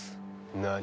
何？